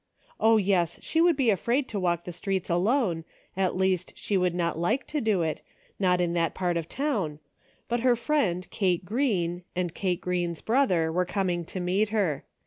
O, yes! she would be afraid to walk the streets alone, at least she would not like to do it, not in that part of town, but her friend Kate Greene, and Kate Greene's brother, were coming to meet her.